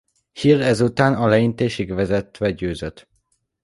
Hill ezután a leintésig vezetve győzött.